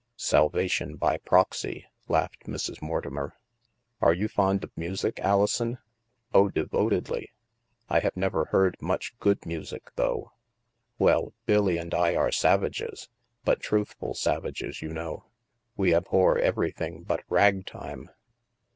" Salvation by proxy," laughed Mrs. Mortimer. " Are you fond of music, Alison ?"" Oh, devotedly. I have never heard much good music, though." " Well, Billy and I are savages. But truthful sav ages, you know. We abhor everything but ragtime.